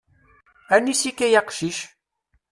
Anis-ik ay aqcic?